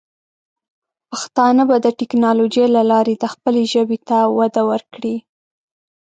پښتانه به د ټیکنالوجۍ له لارې د خپلې ژبې ته وده ورکړي.